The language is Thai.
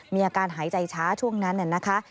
มีอาการหายใจช้าช่วงนั้นนะคะ